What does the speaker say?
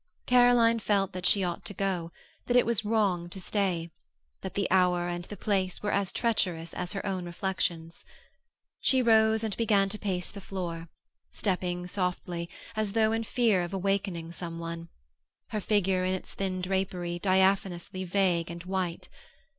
Caroline felt that she ought to go; that it was wrong to stay; that the hour and the place were as treacherous as her own reflections. She rose and began to pace the floor, stepping softly, as though in fear of awakening someone, her figure, in its thin drapery, diaphanously vague and white.